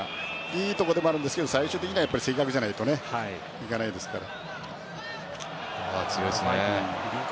いいところでもありますが最終的には正確じゃないと行かないですから。